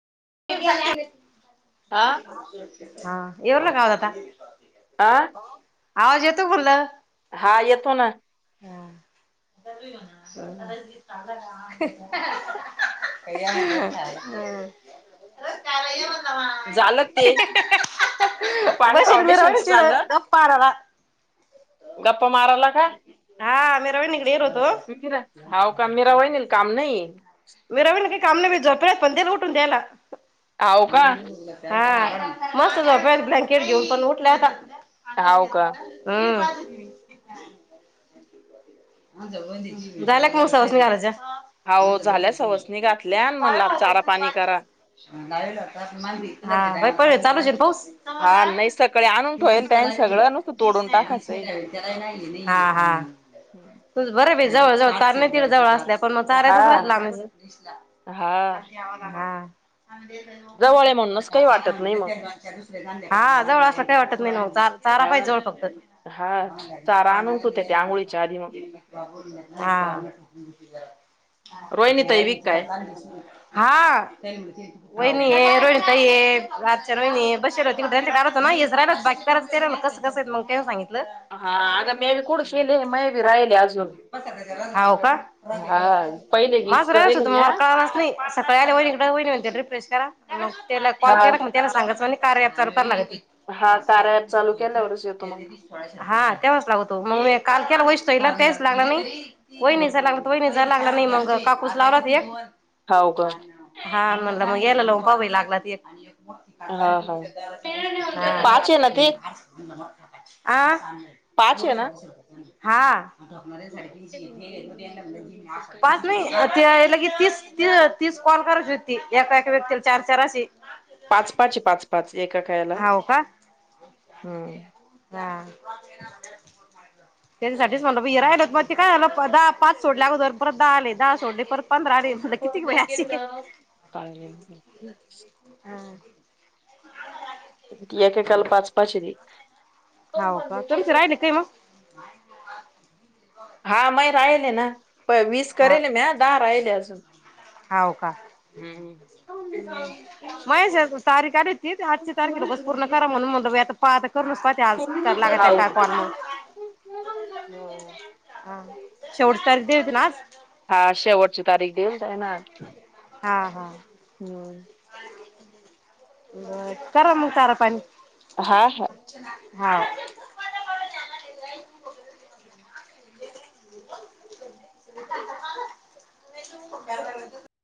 [unintelligible] हा हा, येऊ राहिला का आवाज आता हा आवाज येतो फुल्ल हा येतो ना हम्म [inaudible] [inaudible] झालं ते पाणी फाउंडेशनच झालं पाररा गप्पा माराला का? हा मी रोहिणीकडे येल होतो. हाव का, मिरा वहिनीला काम नाही. मीरा वहिनीला काही काम नाही बाई झोपेल्या येत पण देईल उठून त्यांना हाव का हा, मस्त झोपल्या ब्लँकेट घेऊन पण उठले आता हाव का हम्म झाल्या का मग सवाशनी घालायच्या? हाव झाल्या सवाशनी घातल्या आणि म्हणल आज चारा पाणी करा. व्हय परत चालूच पाऊस, हा नाही सकाळी आणून ठेवेल ीुसत त्यान लाग सगळं नुसतं तोडून टाकायचंय त्याला नाही [inaudible] हम्, बर हाय बाई जवळ जवळ तारनीतील जवळ असल्या पण म तारायच हा राहला आमच. हा कशी आवरलना हां, जवळ आहे म्हणूनच काही वाटत नाही मग हा जवळ असं का? वाटत नाही नेहुन चाल! चारा हा पाहि जवळ फक्त! हा चारा आणून त होते ते आंघोळीच्या आधी मग? हा, रोहीत, हा हाव वहिनी का हाय रोहीत, त आच् रोहिणी बल होती होत ना हेच राहिलाच बाकीत चरायला कसं कसं मग काय सांगित. हा आग मी बी कड केले मय बी राहिले आज. हो का पहिले माझ वीस रायच करेल तुम्ही म्या मला काळणारच नाही, सकाळी आल्या वईन इकडे व रिप्रेश करा मग त्याला कॉल हा केला मग त्याला सांगाचं आणि कार्या अप चालू करायचं. हा कार्या अप चालू केल्यावरच येतो मग, हा तेव्हाच लागवतो मग म काल वेशू ताईला ना तेच लागणार नाही ह वाहिनीचा नाही लागतो. वहिनीचा लागला नाही मग काकूस लावलात एक, हाव का हा म्हनल मग याला लावून पाववी लागलात एक. म हा हा हां पाच आहे ना म ते यासाठी, आं पाच आहे ना? हां, पाच नाही ते ल की तीस त तीस कॉल करायचे आहेत. ती एका एका व्यक्तीला चार चार अशी. पाच पाच पाच पाच एका हेला हाव हम्म. हां, त्याच्यासाठीच मला ब राहिलं मग ते काय झालं दहा पाच सोडले अगोदर परत दहा आले दहा सोडले परत पंधरा आले. म्हटलं किती होतोय बाई असे एन्जोय मग काळजी घे, हां, पाच पाचरी [inaudible] हो का तुमचं राहिल का मग! हा मय राहिले ना प वीस करेल मी ह दहा राहिले अजून. हो का, हम्म, व्हय जी मग तारीख आली ती आठची तारीखेला उगाच पूर्ण करा म्हनल आता. पा आता करूनुस पाहते आज लागत त्या काय कॉल मग. हो हो, हा शेवट तारीख तीच ना, हा शेवटची तारीख देल जा आहे ना हा हा, हम्म, ब करा मग तारा पाणी. हां हां, हा, [inaudible]